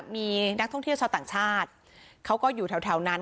มีนักท่องเที่ยวชาวต่างชาติเขาก็อยู่แถวนั้น